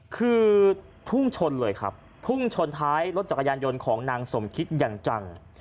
คือพุ่งชนเลยครับพุ่งชนท้ายรถจักรยานยนต์ของนางสมคิดอย่างจัง